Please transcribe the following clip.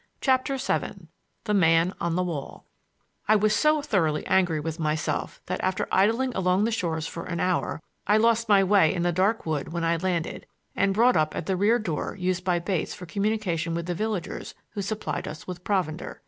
CHAPTER VII THE MAN ON THE WALL I was so thoroughly angry with myself that after idling along the shores for an hour I lost my way in the dark wood when I landed and brought up at the rear door used by Bates for communication with the villagers who supplied us with provender.